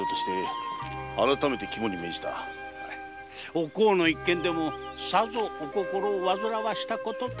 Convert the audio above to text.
お甲の一件でもさぞお心を患わしたことと。